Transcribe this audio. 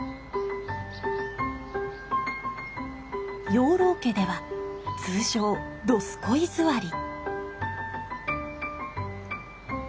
養老家では通称どスコい座り。